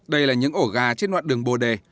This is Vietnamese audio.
đây là những ổ gà trên đoạn đường bồ đề